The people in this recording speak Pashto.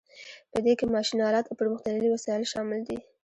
په دې کې ماشین الات او پرمختللي وسایل شامل دي.